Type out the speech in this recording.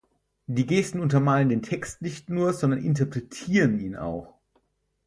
Die Gesten untermalen den Text nicht nur, sondern interpretieren ihn auch.